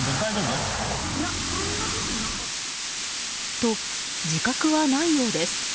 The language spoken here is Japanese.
と、自覚はないようです。